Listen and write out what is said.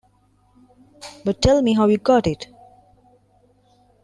But tell me how you got it.